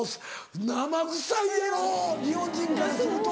生臭いやろ日本人からすると。